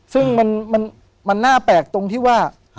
ซึ่งมันน่าแปลกตรงที่ว่า